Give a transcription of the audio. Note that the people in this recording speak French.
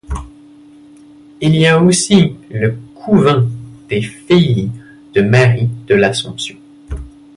Il y a aussi le couvent des Filles de Marie de l'Assomption.